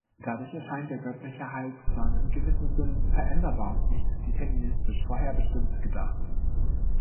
Dadurch erscheint der göttliche Heilsplan in gewissem Sinn veränderbar und nicht deterministisch vorherbestimmt gedacht.